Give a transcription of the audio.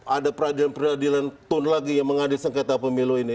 ada peradilan peradilan tun lagi yang menghadir sengketa pemilu ini